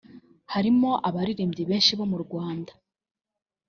Harimo abaririmbyi benshi bo mu Rwanda